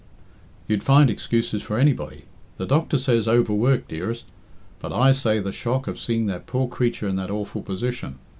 You'd find excuses for anybody. The doctor says overwork, dearest; but I say the shock of seeing that poor creature in that awful position.